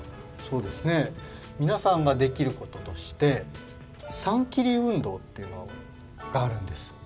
そうですねみなさんができることとして３キリ運動っていうのがあるんです。